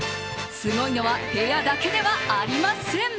すごいのは部屋だけではありません。